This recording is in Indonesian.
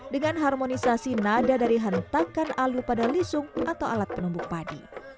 dengan harmonisasi nada dari hentakan alu pada lisung atau alat penumbuk padi